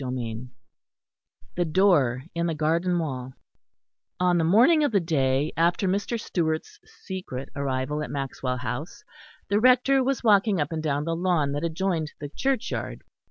CHAPTER VII THE DOOR IN THE GARDEN WALL On the morning of the day after Mr. Stewart's secret arrival at Maxwell Hall, the Rector was walking up and down the lawn that adjoined the churchyard.